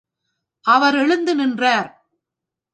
அவர் எழுந்து நின்றார்.